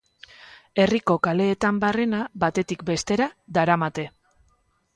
Herriko kaleetan barrena batetik bestera daramate.